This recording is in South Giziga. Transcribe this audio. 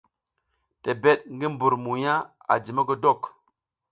Tebed ngi mbur mugna a ji mogodok.